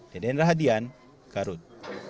deden rahadian garut